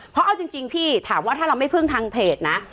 เพราะเอาจริงพี่ถามว่าถ้าเราไม่พึ่งทางเพจนะ